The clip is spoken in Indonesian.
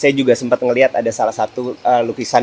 saya juga sempat melihat ada salah satu lukisan